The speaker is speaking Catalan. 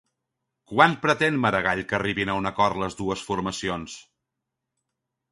Quan pretén Maragall que arribin a un acord les dues formacions?